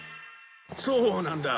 そうなんだ。